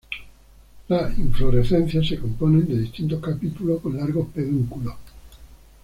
Las inflorescencias se componen de distintos capítulos con largos pedúnculos.